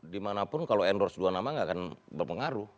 dimanapun kalau endorse dua nama nggak akan berpengaruh